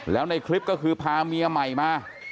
แล้วในคลิปก็คือพาเมียใหม่มา